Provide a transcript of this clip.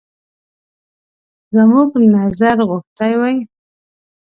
زموږ نظر غوښتی وای.